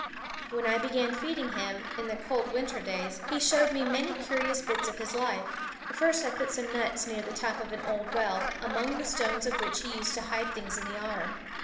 When I began feeding him, in the cold winter days, he showed me many curious bits of his life. First I put some nuts near the top of an old well, among the stones of which he used to hide things in the autumn.